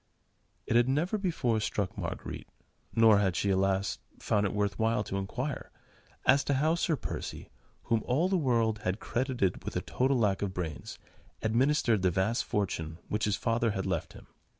It had never before struck Marguerite—nor had she, alas! found it worth while to inquire—as to how Sir Percy, whom all the world had credited with a total lack of brains, administered the vast fortune which his father had left him.